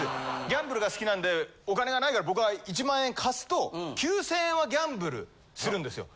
ギャンブルが好きなんでお金がないから僕が１万円貸すと９０００円はギャンブルするんですよ